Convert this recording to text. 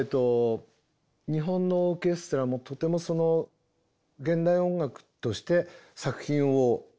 日本のオーケストラもとてもその現代音楽として作品を演奏したりはしています。